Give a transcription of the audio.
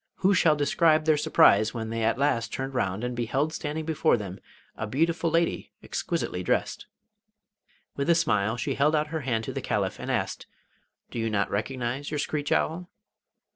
Who shall describe their surprise when they at last turned round and beheld standing before them a beautiful lady exquisitely dressed! With a smile she held out her hand to the Caliph, and asked: 'Do you not recognise your screech owl?